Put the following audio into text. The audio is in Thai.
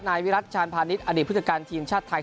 นายวิรักษณภาณิชย์อ่านอุติการทีมชาติไทย